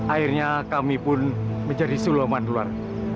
akhirnya kami pun menjadi siluman ular